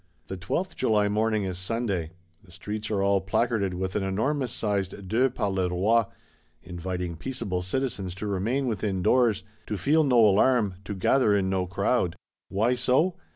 The twelfth July morning is Sunday; the streets are all placarded with an enormous sized De par le Roi, "inviting peaceable citizens to remain within doors," to feel no alarm, to gather in no crowd. Why so?